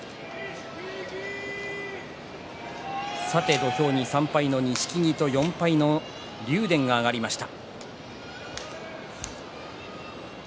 土俵に３敗力士の錦木と４敗の竜電が上がりました。